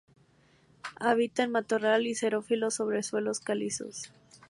Habita en matorral xerófilo sobre suelos calizos.